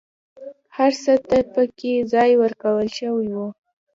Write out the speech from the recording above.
هر څه ته پکې ځای ورکول شوی دی.